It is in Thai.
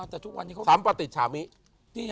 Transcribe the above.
แต่ทุกวันนี้เขาสัมปติศาสตร์นี้